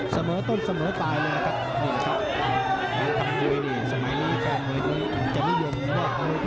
เสมอต้นเสมอไปเลยละครับ